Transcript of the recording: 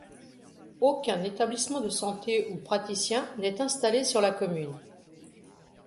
Aucun établissement de santé ou praticien n’est installé sur la commune.